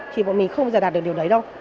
thì bọn mình không giờ đạt được điều đấy đâu